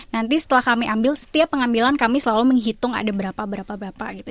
nanti setelah kami ambil setiap pengambilan kami selalu menghitung ada berapa berapa bapak gitu